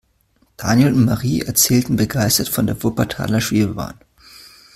Daniel und Marie erzählten begeistert von der Wuppertaler Schwebebahn.